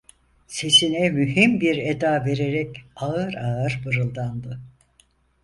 Sesine mühim bir eda vererek ağır ağır mırıldandı: